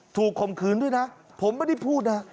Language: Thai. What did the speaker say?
ข่มขืนด้วยนะผมไม่ได้พูดนะ